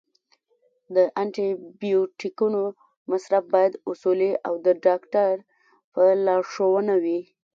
د انټي بیوټیکونو مصرف باید اصولي او د ډاکټر په لارښوونه وي.